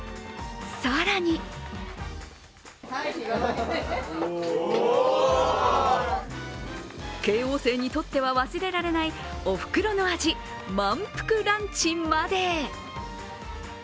更に慶応生にとっては忘れられないおふくろの味、満腹ランチまで。